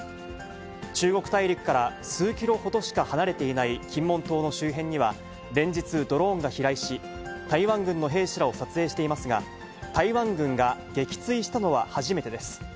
中国大陸から数キロほどしか離れていない金門島の周辺には、連日ドローンが飛来し、台湾軍の兵士らを撮影していますが、台湾軍が撃墜したのは初めてです。